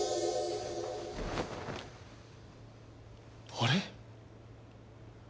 あれ？